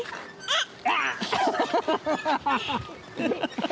あっ！